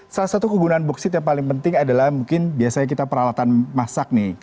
salah satu kegunaan boksit yang paling penting adalah mungkin biasanya kita peralatan masak nih